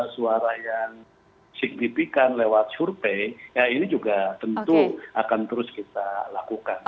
suara yang signifikan lewat survei ya ini juga tentu akan terus kita lakukan